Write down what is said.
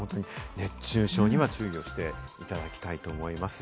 熱中症には注意をしていただきたいと思います。